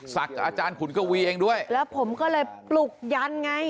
อาจารย์ขุนกวีเองด้วยแล้วผมก็เลยปลุกยันไง